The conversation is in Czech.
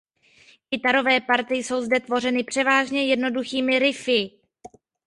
Kytarové party jsou zde tvořeny převážně jednoduchými riffy.